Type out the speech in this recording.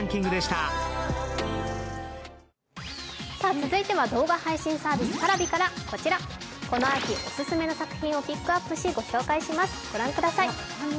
続いては動画配信サービスＰａｒａｖｉから、この秋オススメの作品をピックアップし御紹介します。